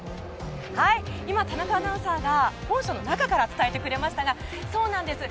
今、田中アナウンサーが本社の中から伝えてくれましたがそうなんです